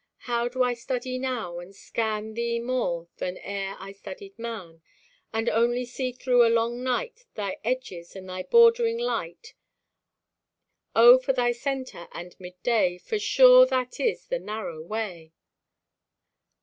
How do I study now, and scan Thee more than ere I studied man, And only see through a long night Thy edges and thy bordering light! O for thy centre and midday! For sure that is the _narrow way!